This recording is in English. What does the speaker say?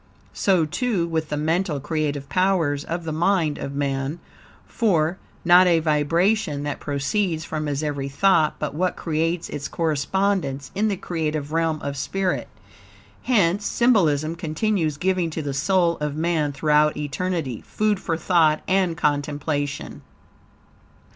So, too, with the mental creative powers of the mind of man, for, not a vibration that proceeds from his every thought but what creates its correspondence in the creative realm of spirit. Hence, symbolism continues giving to the soul of man, throughout eternity, food for thought and contemplation.